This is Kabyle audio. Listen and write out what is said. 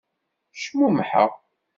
Cmumḥeɣ.